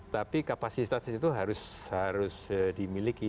tapi kapasitas itu harus dimiliki